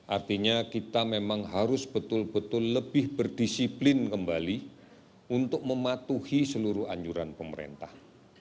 artinya kita memang harus betul betul lebih berdisiplin kembali untuk mematuhi seluruh anjuran pemerintah